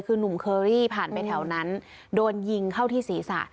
คือนุ่มเคอรี่ผ่านไปแถวนั้นโดนยิงเข้าที่ศีรษะ